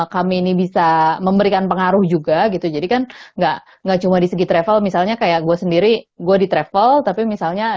kami ini bisa memberikan pengaruh juga gitu jadi kan enggak enggak cuma di segi travel misalnya kayak gue sendiri gue di travel tapi misalnya